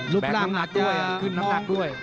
รูปร่างอ่าจากดูขึ้นน้ำหนักด้วย